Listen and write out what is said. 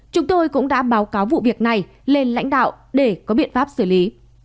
chúng tôi cũng đã báo cáo vụ việc này lên lãnh đạo để có biện pháp xử lý